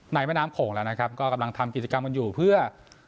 ในว่ายน้ำโข่งกำลังทำกิจกรรมกันอยู่เพื่อ